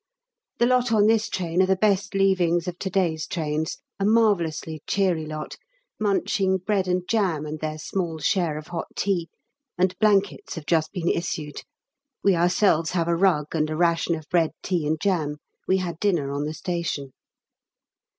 The lot on this train are the best leavings of to day's trains, a marvellously cheery lot, munching bread and jam and their small share of hot tea, and blankets have just been issued. We ourselves have a rug, and a ration of bread, tea, and jam; we had dinner on the station.